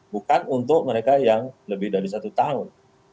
bukan untuk mereka yang lebih dari satu tahun